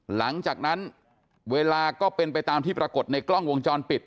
หลังจากนั้นเวลาก็เป็นไปตามที่ปรากฏในกล้องวงจรปิด